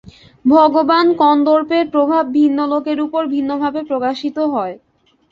ভগবান কন্দর্পের প্রভাব ভিন্ন লোকের উপর ভিন্ন ভাবে প্রকাশিত হয়।